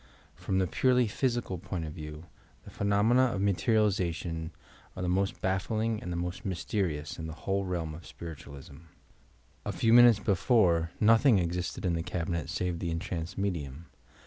H^ Prom the purely physical point of view, the phe ^^ nomena of materialization are the most bafBing and the ^H most mysterious in the whole realm of Spiritualism. A 342 YOUR PSYCHIC POWERS few minutes before, nothing existed in the cabinet, save the entranced medium.